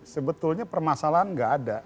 sebetulnya permasalahan tidak ada